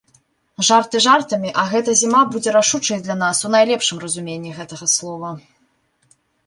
Жарты жартамі, а гэта зіма будзе рашучай для нас у найлепшым разуменні гэтага слова.